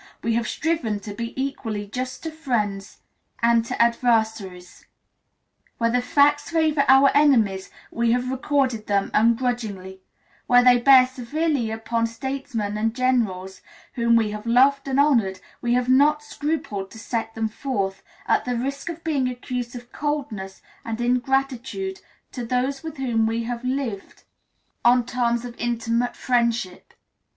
We have striven to be equally just to friends and to adversaries; where the facts favor our enemies we have recorded them ungrudgingly; where they bear severely upon statesmen and generals whom we have loved and honored we have not scrupled to set them forth, at the risk of being accused of coldness and ingratitude to those with whom we have lived on terms of intimate friendship.